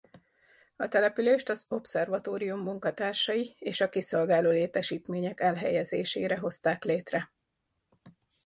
A települést az obszervatórium munkatársai és a kiszolgáló létesítmények elhelyezésére hozták létre.